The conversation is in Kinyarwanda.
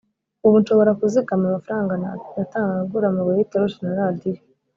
ubu nshobora kuzigama amafaranga natangaga ngura amabuye y’itoroshi na radiyo